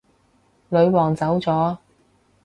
女皇走咗